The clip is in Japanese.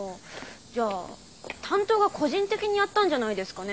じゃあ担当が個人的にやったんじゃないですかねー。